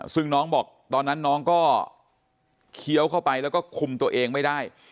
ซึ่งน้องบอกตอนนั้นน้องก็เคี้ยวเข้าไปแล้วก็คุมตัวเองไม่ได้